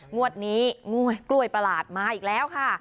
งวดนี้กล้วยประหลาดมาอีกแล้วค่ะ